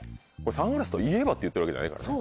「サングラスといえば」っていってるわけじゃないからね。